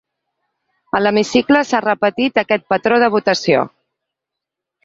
A l’hemicicle s’ha repetit aquest patró de votació.